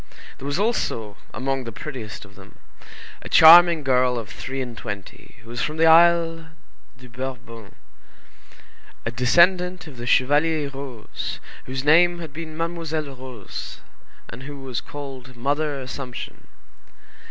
There was also, among the prettiest of them, a charming girl of three and twenty, who was from the Isle de Bourbon, a descendant of the Chevalier Roze, whose name had been Mademoiselle Roze, and who was called Mother Assumption.